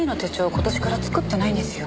今年から作ってないんですよ。